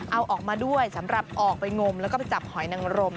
เอาออกมาด้วยสำหรับออกไปงมแล้วก็ไปจับหอยนังรม